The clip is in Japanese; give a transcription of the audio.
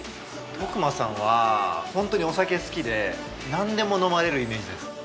馬さんはホントにお酒好きで何でも飲まれるイメージです。